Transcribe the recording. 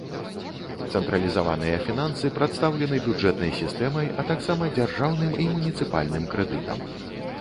Цэнтралізаваныя фінансы прадстаўлены бюджэтнай сістэмай, а таксама дзяржаўным і муніцыпальным крэдытам.